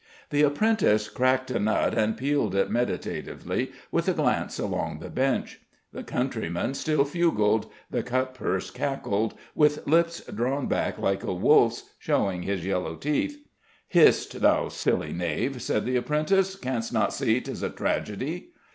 The apprentice cracked a nut and peeled it meditatively, with a glance along the bench. The countryman still fugled; the cutpurse cackled, with lips drawn back like a wolf's, showing his yellow teeth. "Hist, thou silly knave!" said the apprentice. "Canst not see 'tis a tragedy?"